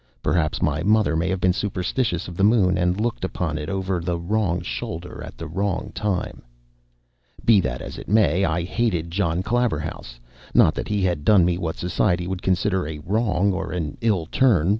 Perhaps my mother may have been superstitious of the moon and looked upon it over the wrong shoulder at the wrong time. Be that as it may, I hated John Claverhouse. Not that he had done me what society would consider a wrong or an ill turn.